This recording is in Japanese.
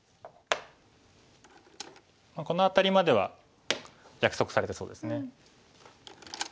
この辺りまでは約束されてそうですね。